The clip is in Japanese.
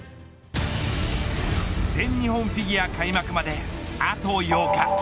全日本フィギュア開幕まであと８日。